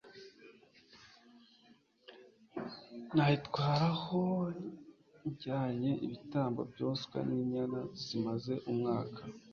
nayitwaraho njyanye ibitambo byoswa n'inyana zimaze umwaka